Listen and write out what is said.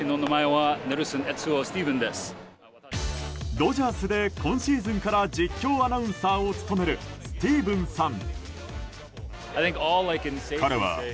ドジャースで今シーズンから実況アナウンサーを務めるスティーブンさん。